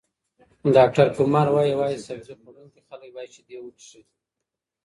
ډاکټر کمار وايي، یوازې سبزۍ خوړونکي خلک باید شیدې وڅښي.